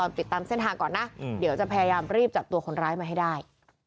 ปิดตามเส้นทางก่อนนะเดี๋ยวจะพยายามรีบจับตัวคนร้ายมาให้ได้